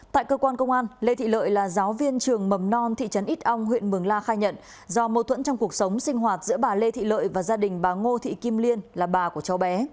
tại cơ quan công an lê thị lợi là giáo viên trường mầm non thị trấn ít ong huyện mường la khai nhận do mâu thuẫn trong cuộc sống sinh hoạt giữa bà lê thị lợi và gia đình bà ngô thị kim liên là bà của cháu bé